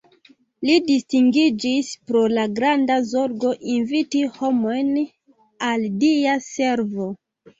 Li distingiĝis pro la granda zorgo inviti homojn al dia servo.